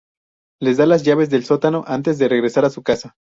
Les da las llaves del sótano antes de regresar a su casa.